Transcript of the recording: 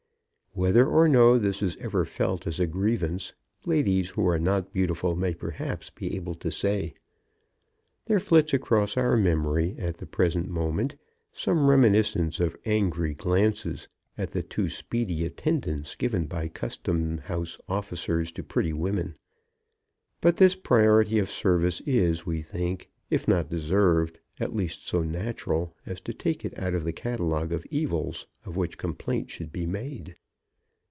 Whether or no this is ever felt as a grievance, ladies who are not beautiful may perhaps be able to say. There flits across our memory at the present moment some reminiscence of angry glances at the too speedy attendance given by custom house officers to pretty women. But this priority of service is, we think, if not deserved, at least so natural, as to take it out of the catalogue of evils of which complaint should be made.